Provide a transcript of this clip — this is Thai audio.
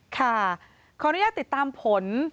ขออนุญาตติดตามผล